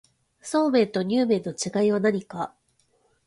そうめんとにゅう麵の違いは何か